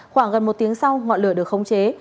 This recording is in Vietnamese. khoảng gần một tiếng sau ngọn lửa được khống chế